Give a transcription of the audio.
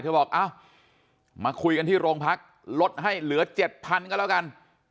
บอกเอ้ามาคุยกันที่โรงพักลดให้เหลือ๗๐๐ก็แล้วกัน